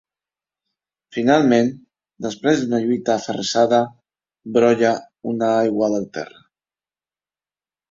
Finalment, després d’una lluita aferrissada, brolla una aigua del terra.